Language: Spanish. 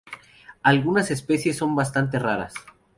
Algunas especies son bastante raras.